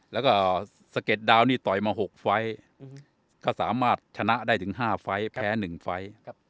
แล้วก็สะเก็ดดาวนี่ต่อยมา๖ไฟล์ก็สามารถชนะได้ถึง๕ไฟล์แพ้๑ไฟล์